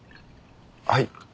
はい。